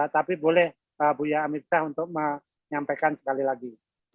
tapi boleh buya amirsah untuk menyampaikan sekali lagi